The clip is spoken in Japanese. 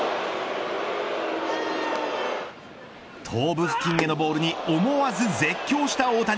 頭部付近へのボールに思わず絶叫した大谷。